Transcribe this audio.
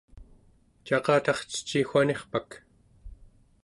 caqatarceci wanirpak?